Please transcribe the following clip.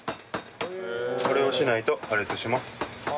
これをしないと破裂します。